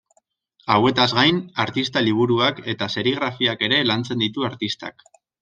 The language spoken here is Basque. Hauetaz gain, artista liburuak eta serigrafiak ere lantzen ditu artistak.